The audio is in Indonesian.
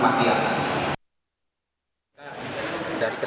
dari keterangan yang ada kan